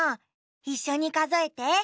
いっしょにかぞえて。